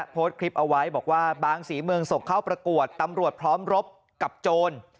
โพสต์คลิปเอาไว้บอกว่าบางศรีเมืองส่งเข้าประกวดตำรวจพร้อมรบกับโจร